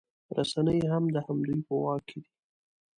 رسنۍ هم د همدوی په واک کې دي